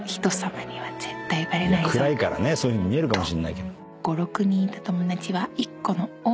暗いからねそういうふうに見えるかもしんないけど。